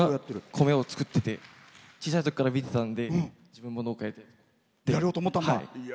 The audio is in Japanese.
米を作ってて小さいときから見てたので自分も農家やろうと思って。